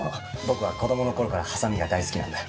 僕は子どもの頃からハサミが大好きなんだ」